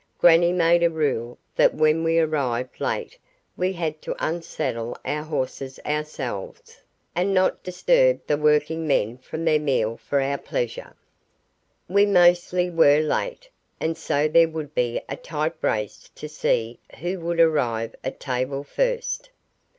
Grannie made a rule that when we arrived late we had to unsaddle our horses ourselves, and not disturb the working men from their meal for our pleasure. We mostly were late, and so there would be a tight race to see who would arrive at table first.